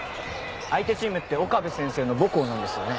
相手チームって岡部先生の母校なんですよね？